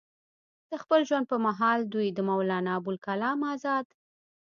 د خپل ژوند پۀ محال دوي د مولانا ابوالکلام ازاد